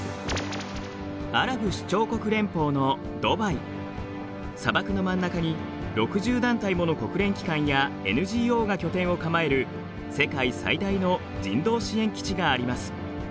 アラブ首長国連邦の砂漠の真ん中に６０団体もの国連機関やＮＧＯが拠点を構える世界最大の人道支援基地があります。